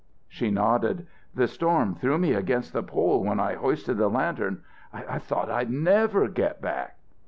She nodded. "The storm threw me against the pole when I hoisted the lantern. I thought I'd never get back!"